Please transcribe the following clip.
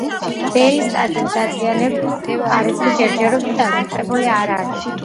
ბელის ტაძრის დაზიანების ხარისხი ჯერჯერობით დაზუსტებული არ არის.